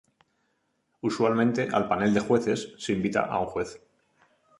Usualmente al panel de jueces, se invita a un juez.